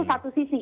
itu satu sisi